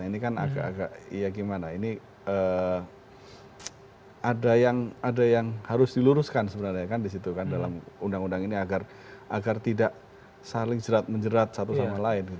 ini ada yang harus diluruskan sebenarnya kan di situ kan dalam undang undang ini agar tidak saling menjerat satu sama lain